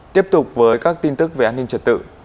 tiếp tục với các tin tức về an ninh trật tự